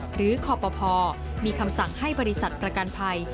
หรือคอปภมีคำสั่งให้บริษัทประกันภัย